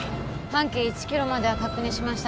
半径１ｋｍまでは確認しましたが。